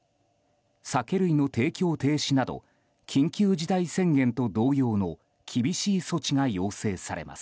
酒類の提供停止など緊急事態宣言と同様の厳しい措置が要請されます。